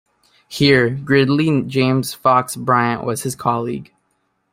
Here Gridley James Fox Bryant was his colleague.